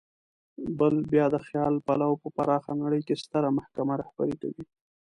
بل بیا د خیال پلو په پراخه نړۍ کې ستره محکمه رهبري کوي.